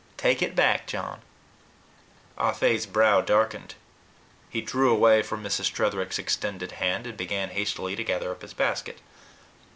Take it back, John." Ah Fe's brow darkened. He drew away from Mrs. Tretherick's extended hand, and began hastily to gather up his basket.